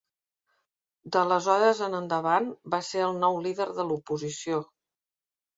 D'aleshores en endavant va ser el nou líder de l'oposició.